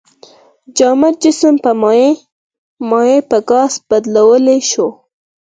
جامد جسم په مایع، مایع په ګاز بدلولی شو.